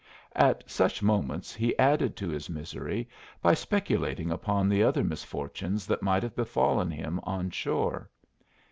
At such moments he added to his misery by speculating upon the other misfortunes that might have befallen him on shore.